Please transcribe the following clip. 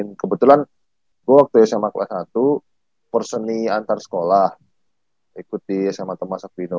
nah kebetulan gua waktu sma kelas satu porseni antar sekolah ikut di sma thomas aquino